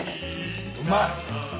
うまい。